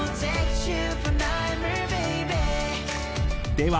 では